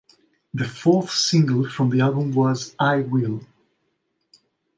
The fourth single from the album was "I Will".